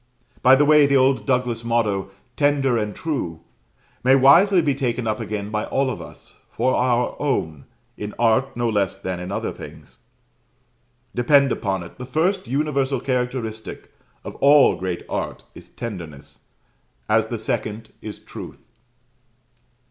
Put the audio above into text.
By the way, the old Douglas motto, "Tender and true," may wisely be taken up again by all of us, for our own, in art no less than in other things. Depend upon it, the first universal characteristic of all great art is Tenderness, as the second is Truth.